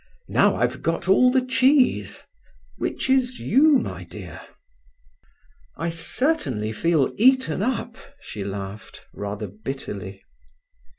Now I've got all the cheese—which is you, my dear." "I certainly feel eaten up," she laughed, rather bitterly.